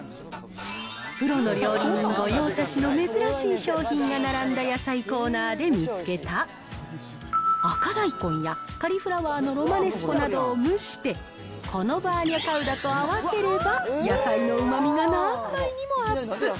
プロの料理人御用達の珍しい商品が並んだ野菜コーナーで見つけた、赤大根やカリフラワーのロマネスコなどを蒸して、このバーニャカウダと合わせれば、野菜のうまみが何倍にもアップ。